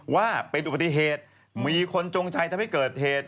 ว่าเป็นอุบัติเหตุมีคนจงใจทำให้เกิดเหตุ